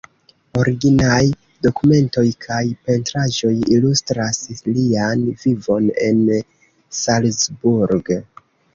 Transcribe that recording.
Originaj dokumentoj kaj pentraĵoj ilustras lian vivon en Salzburg.